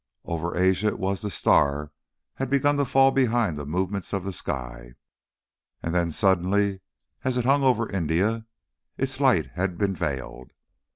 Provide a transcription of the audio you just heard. Over Asia it was the star had begun to fall behind the movement of the sky, and then suddenly, as it hung over India, its light had been veiled.